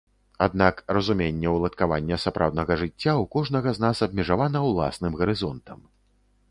Аднак разуменне ўладкавання сапраўднага жыцця ў кожнага з нас абмежавана ўласным гарызонтам.